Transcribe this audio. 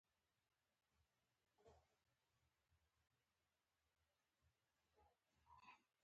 د ملاتړ څخه لاس اخیستی دی.